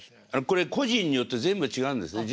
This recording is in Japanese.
これ個人によって全部違うんですね。